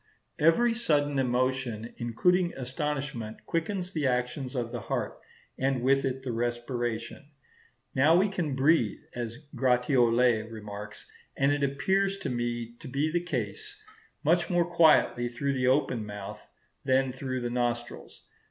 Every sudden emotion, including astonishment, quickens the action of the heart, and with it the respiration. Now we can breathe, as Gratiolet remarks and as appears to me to be the case, much more quietly through the open mouth than through the nostrils.